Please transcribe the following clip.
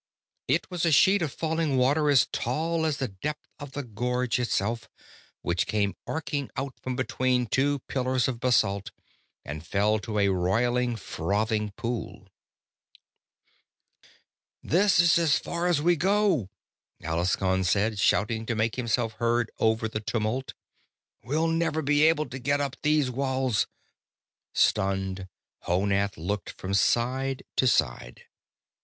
It was a sheet of falling water as tall as the depth of the gorge itself, which came arcing out from between two pillars of basalt and fell to a roiling, frothing pool. "This is as far as we go!" Alaskon said, shouting to make himself heard over the tumult. "We'll never be able to get up these walls!" Stunned, Honath looked from side to side.